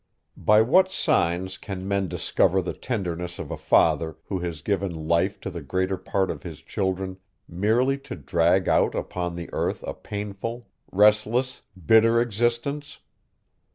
By what signs can men discover the tenderness of a father, who has given life to the greater part of his children merely to drag out upon the earth a painful, restless, bitter existence?